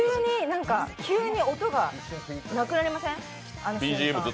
急に音がなくなりません？